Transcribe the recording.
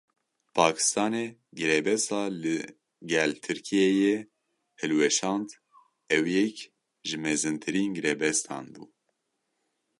Pakistanê girêbesta li gel Tirkiyeyê hilweşand, ew yek ji mezintirîn girêbestan bû.